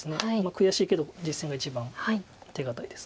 悔しいけど実戦が一番手堅いです。